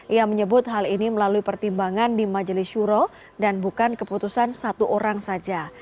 ia menyebut hal ini melalui pertimbangan di majelis syuro dan bukan keputusan satu orang saja